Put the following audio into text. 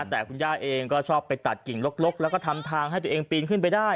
แต่คุณย่าเองก็ชอบไปตัดกิ่งลกแล้วก็ทำทางให้ตัวเองปีนขึ้นไปได้